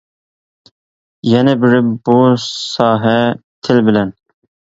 يەنە بىرى بۇ ساھە تىل بىلەن.